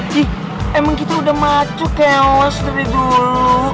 ji emang kita udah macu kayak awas dari dulu